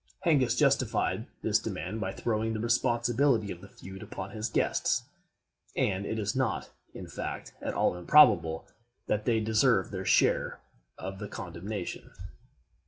Hengist justified this demand by throwing the responsibility of the feud upon his guests; and it is not, in fact, at all improbable that they deserved their share of the condemnation.